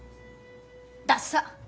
ダッサ！